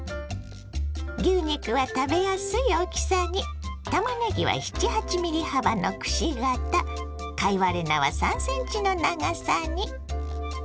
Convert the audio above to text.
牛肉は食べやすい大きさにたまねぎは７８ｍｍ幅のくし形貝割れ菜は３ｃｍの長さに。